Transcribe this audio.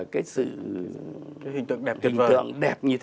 cái sự hình tượng đẹp như thế